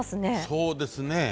そうですね。